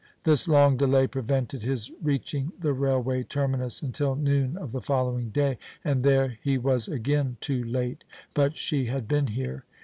This long delay prevented his reaching the railway terminus until noon of the following day, and there he was again too late. But she had been here.